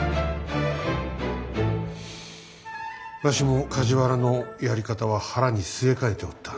わしも梶原のやり方は腹に据えかねておった。